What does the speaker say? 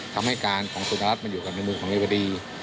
ทำให้การของสุนรัฐมาอยู่ในมือของบริวดี